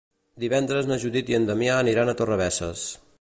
Divendres na Judit i en Damià aniran a Torrebesses.